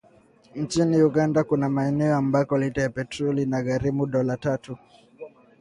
Nchini Uganda kuna maeneo ambako lita ya petroli inagharimu dola tatu